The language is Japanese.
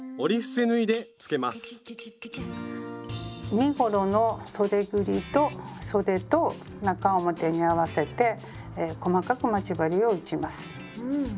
身ごろのそでぐりとそでと中表に合わせて細かく待ち針を打ちます。